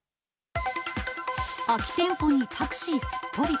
空き店舗にタクシーすっぽり。